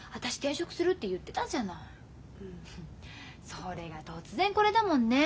それが突然これだもんね。